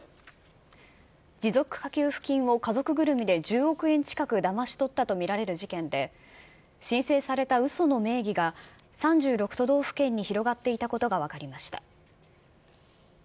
持続化給付金を家族ぐるみで１０億円近くだまし取ったと見られる事件で、申請されたうその名義が３６都道府県に広がっていたことが分かりました。